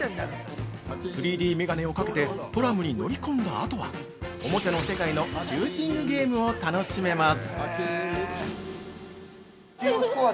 ３Ｄメガネをかけてトラムに乗り込んだあとはおもちゃの世界のシューティングゲームを楽しめます。